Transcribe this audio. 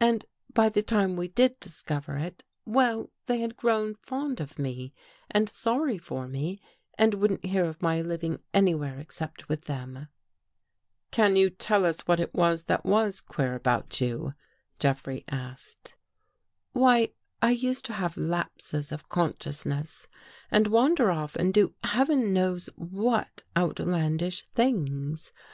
And by the time we did discover it — well, they had grown fond of me and sorry for me and wouldn't hear of my living anywhere except with them." 20 297 THE GHOST GIRL " Can you tell us what it was that was ' queer ' about you?'' Jeffrey asked. " Why, I used to have lapses of consciousness and wander off and do heaven knows what outlandish things.